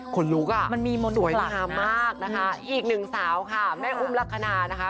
ขนลุกอ่ะสวยมากนะคะอีกหนึ่งสาวค่ะแม่อุ้มลักษณะนะคะ